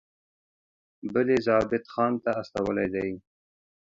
بل یې ضابطه خان ته استولی دی.